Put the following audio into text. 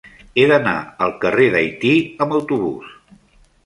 He d'anar al carrer d'Haití amb autobús.